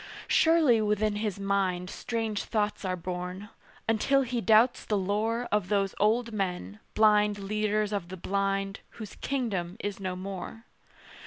Surely within his mind Strange thoughts are born, until he doubts the lore Of those old men, blind leaders of the blind, Whose kingdom is no more.